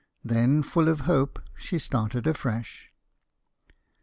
Then full of hope, she started afresh.